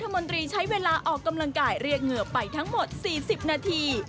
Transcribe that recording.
นายยกรัฐมนตรีใช้เวลาออกกำลังกายเรียกเหงื่อไปทั้งหมดสี่สิบนาที